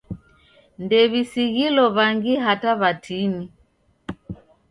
Ndew'isighilo w'angi hata w'atini.